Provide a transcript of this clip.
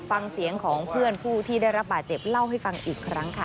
ฟังเสียงของเพื่อนผู้ที่ได้รับบาดเจ็บเล่าให้ฟังอีกครั้งค่ะ